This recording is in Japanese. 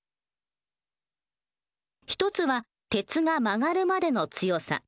一つは鉄が曲がるまでの強さ。